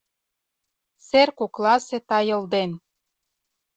Сер кокласе тайыл ден